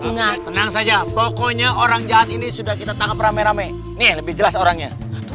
nah tenang saja pokoknya orang jahat ini sudah kita tangkap rame rame nih lebih jelas orangnya